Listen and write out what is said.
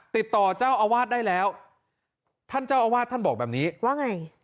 ติดต่อเจ้าอาวาสได้แล้วท่านเจ้าอาวาสท่านบอกแบบนี้ว่าไง